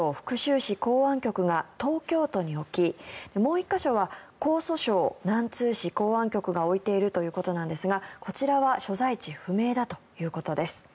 市公安局が東京都に置きもう１か所は江蘇省南通市公安局が置いているということですがこちらは所在地不明だということです。